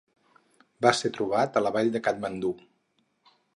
Va ser trobat a la vall de Katmandú.